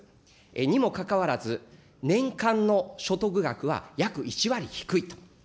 にもかかわらず、年間の所得額は約１割低いと。